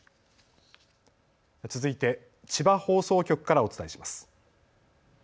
続いて千葉放送局からお伝えします。